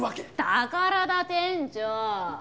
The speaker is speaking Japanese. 宝田店長。